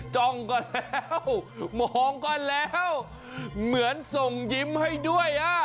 จ้องก่อนแล้วมองก่อนแล้วเหมือนส่งยิ้มให้ด้วย